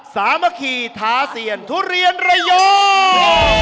สามัคคีท้าเซียนทุเรียนระยอง